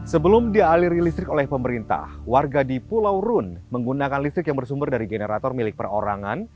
sebelum dialiri listrik oleh pemerintah warga di pulau rune menggunakan listrik yang bersumber dari generator milik perorangan